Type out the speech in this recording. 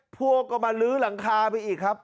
พวกก็มาลื้อหลังคาไปอีกครับ